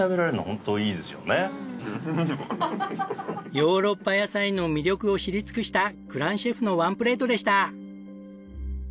ヨーロッパ野菜の魅力を知り尽くしたグランシェフのワンプレートでした！